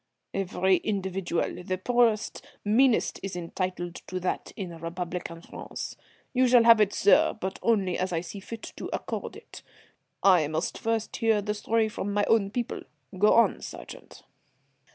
"Every individual, the poorest, meanest, is entitled to that in republican France. You shall have it, sir, but only as I see fit to accord it. I must first hear the story from my own people. Go on, sergeant."